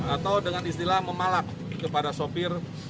atau dengan istilah memalak kepada sopir